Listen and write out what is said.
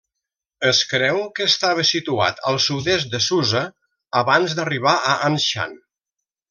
Es creu que estava situat al sud-est de Susa, abans d'arribar a Anshan.